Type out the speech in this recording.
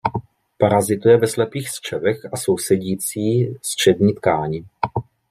Parazituje ve slepých střevech a sousedící střevní tkáni.